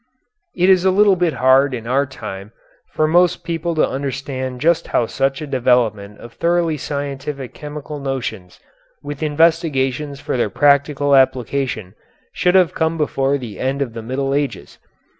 It is a little bit hard in our time for most people to understand just how such a development of thoroughly scientific chemical notions, with investigations for their practical application, should have come before the end of the Middle Ages.